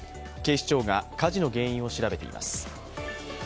警視庁が火事の原因を調べています。